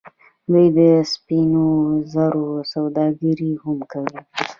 دوی د سپینو زرو سوداګري هم کوي.